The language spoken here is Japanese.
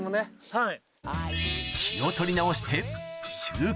はい。